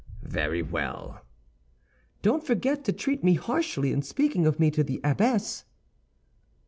"Very well." "Don't forget to treat me harshly in speaking of me to the abbess."